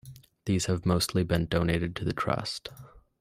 These have mostly been donated to the Trust.